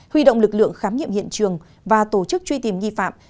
huy động lực lượng khám nghiệm hiện trường và tổ chức truy tìm nghi phạm